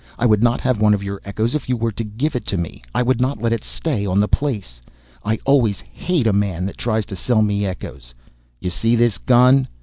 I would not have one of your echoes if you were even to give it to me. I would not let it stay on the place. I always hate a man that tries to sell me echoes. You see this gun?